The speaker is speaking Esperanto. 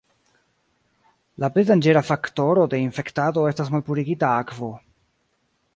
La plej danĝera faktoro de infektado estas malpurigita akvo.